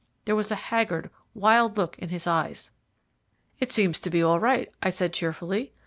There was a haggard, wild look in his eyes. "It seems to be all right," I said cheerfully.